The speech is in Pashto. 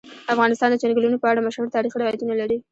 افغانستان د چنګلونه په اړه مشهور تاریخی روایتونه لري.